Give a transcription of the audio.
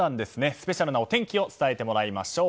スペシャルなお天気を伝えてもらいましょう。